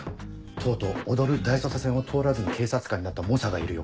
とうとう『踊る大捜査線』を通らずに警察官になった猛者がいるよ。